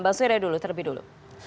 bang surya terlebih dulu